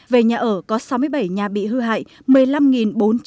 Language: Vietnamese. về nhà ở có sáu mươi bảy nhà bị hư hại một mươi năm bốn trăm năm mươi năm nhà bị ngập nước